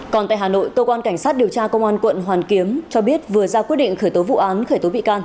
còn tại hà nội cơ quan cảnh sát điều tra công an quận hoàn kiếm cho biết vừa ra quyết định khởi tố vụ án khởi tố bị can